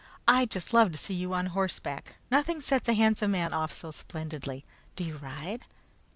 "I'd just love to see you on horseback. Nothing sets a handsome man off so splendidly. Do you ride?"